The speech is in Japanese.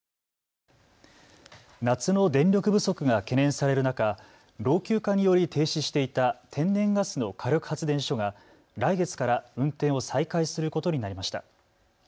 夏の電力不足が懸念される中、老朽化により停止していた天然ガスの火力発電所が来月から運転を再開することになりました。